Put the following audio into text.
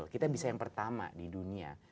kita bisa yang pertama di dunia